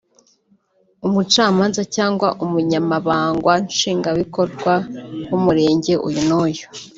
umucamanza cyangwa se Umunyamabangwa Nshingwabikorwa w’Umurenge uyu n’uyu